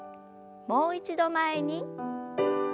もう一度前に。